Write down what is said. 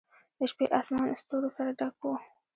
د شپې آسمان ستورو سره ډک و.